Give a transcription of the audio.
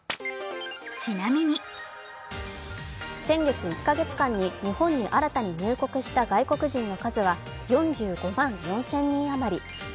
先月１か月間に日本に新たに入国した外国人の数は４５万４０００人余り。